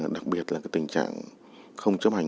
đặc biệt là tình trạng không chấp hành